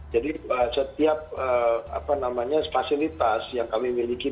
jadi setiap apa namanya fasilitas yang kami miliki bagi kita